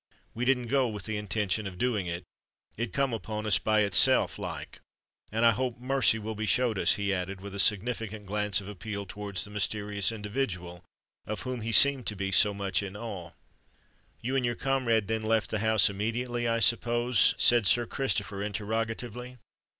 We didn't go with the intention of doing it: it come upon us by itself, like—and I hope mercy will be showed us," he added, with a significant glance of appeal towards the mysterious individual of whom he seemed to be so much in awe. "You and your comrade then left the house immediately, I suppose?" said Sir Christopher, interrogatively.